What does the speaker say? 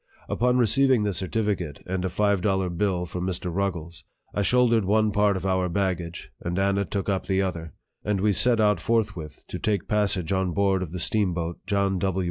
Upon receiving this certificate, and a five dollar bill from Mr. Ruggles, I shouldered one part of our bag gage, and Anna took up the other, and we set out forthwith to take passage on board of the steamboat John W.